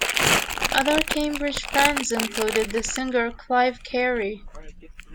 Other Cambridge friends included the singer Clive Carey.